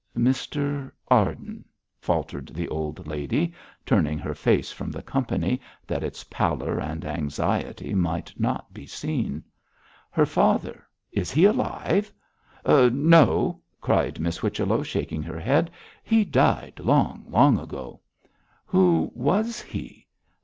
'Mr Arden!' faltered the old lady, turning her face from the company, that its pallor and anxiety might not be seen. 'Her father! is he alive?' 'No!' cried Miss Whichello, shaking her head. 'He died long, long ago.' 'Who was he?'